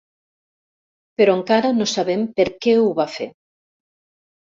Però encara no sabem per què ho va fer.